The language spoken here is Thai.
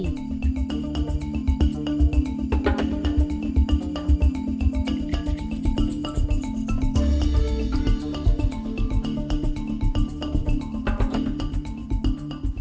พริกเทศ